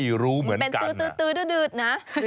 ไม่รู้เหมือนกันอ่ะมันเป็นตื๊ดดื๊ดนะ